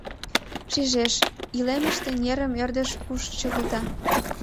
Шижеш: илемыште нерым ӧрдыж пуш чыгылта.